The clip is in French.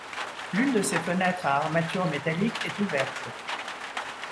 L'une de ces fenêtres à armature métallique est ouverte.